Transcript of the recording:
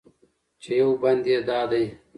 چې یو بند یې دا دی: